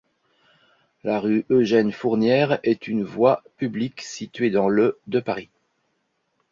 La rue Eugène-Fournière est une voie publique située dans le de Paris.